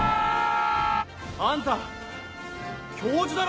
あんた教授だろ？